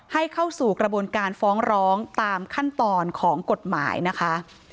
เข้าสู่กระบวนการฟ้องร้องตามขั้นตอนของกฎหมายนะคะ